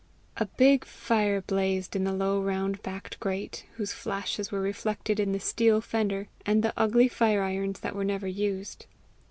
A big fire blazed in the low round backed grate, whose flashes were reflected in the steel fender and the ugly fire irons that were never used.